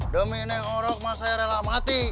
demi ini orang saya rela mati